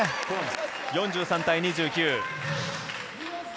４３対２９。